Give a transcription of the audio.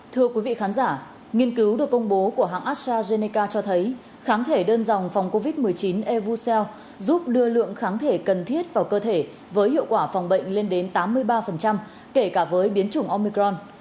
thưa quý vị khán giả nghiên cứu được công bố của hãng astrazeneca cho thấy kháng thể đơn dòng phòng covid một mươi chín evoseel giúp đưa lượng kháng thể cần thiết vào cơ thể với hiệu quả phòng bệnh lên đến tám mươi ba kể cả với biến chủng omicron